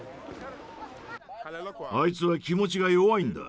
あいつは気持ちが弱いんだ。